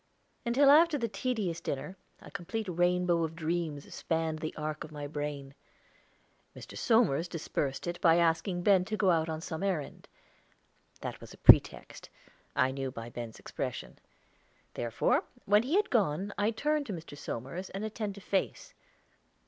Until after the tedious dinner, a complete rainbow of dreams spanned the arc of my brain. Mr. Somers dispersed it by asking Ben to go out on some errand. That it was a pretext, I knew by Ben's expression; therefore, when he had gone I turned to Mr. Somers an attentive face.